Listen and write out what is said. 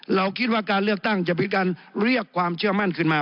เราคิดว่าการเลือกตั้งจะเป็นการเรียกความเชื่อมั่นขึ้นมา